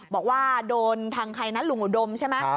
บอกว่าโดนทางใครนะลุงอุดมใช่ไหม